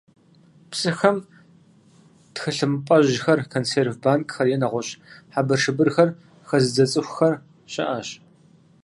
Псыхэм тхылъымпӀэжьхэр, консерв банкӀхэр е нэгъуэщӀ хьэбыршыбырхэр хэзыдзэ цӀыхухэр щыӀэщ.